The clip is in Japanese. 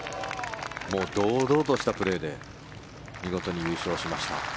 もう堂々としたプレーで見事に優勝しました。